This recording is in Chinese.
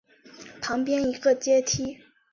旁边一个阶梯